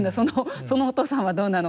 そのお父さんはどうなのか。